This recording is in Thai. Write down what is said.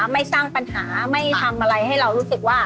ไม่สร้างปัญหาไม่ทำอะไรให้เรารู้สึกว่า